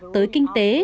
tới kinh tế